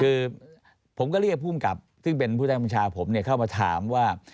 คือผมก็เรียกผู้กลับซึ่งเป็นผู้แทนภูมิชาผมเนี่ยเข้ามาถามว่า